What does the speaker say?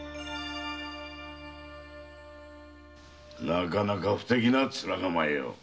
なかなか不敵な面構えよ。